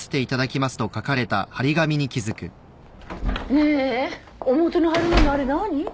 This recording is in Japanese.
ねえ表の張り紙あれ何？